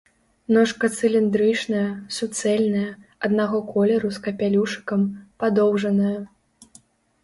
Ножка цыліндрычная, суцэльная, аднаго колеру з капялюшыкам, падоўжаная.